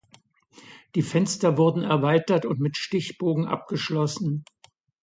Die Fenster wurden erweitert und mit Stichbogen abgeschlossen.